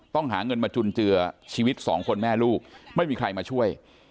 หาเงินมาจุนเจือชีวิตสองคนแม่ลูกไม่มีใครมาช่วย